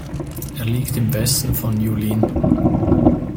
Er liegt im Westen von Yulin.